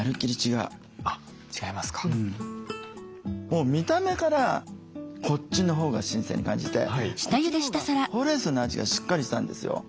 もう見た目からこっちのほうが新鮮に感じてこっちのほうがほうれんそうの味がしっかりしたんですよ。